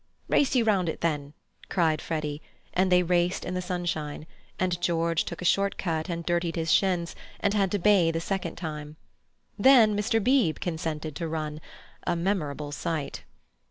"Race you round it, then," cried Freddy, and they raced in the sunshine, and George took a short cut and dirtied his shins, and had to bathe a second time. Then Mr. Beebe consented to run—a memorable sight.